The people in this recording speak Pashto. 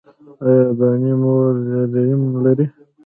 ایا دانې مو ریم لري؟